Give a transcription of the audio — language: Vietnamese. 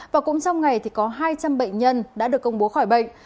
và cũng trong ngày thì có hai trăm linh bệnh nhân đã được công bố khỏi bệnh